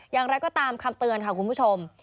อย่างไรก็ตามคำเตือนค่ะคุณผู้ชม